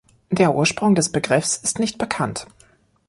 Der Ursprung des Begriffs ist nicht bekannt.